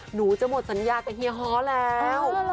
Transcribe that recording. หนูจะหมดสัญญากับเฮียฮ้อแล้ว